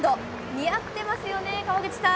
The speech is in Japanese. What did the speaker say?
似合ってますよね、川口さん。